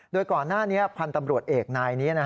โดยก่อนหน้านี้พันธ์ตำรวจเอกนายนี้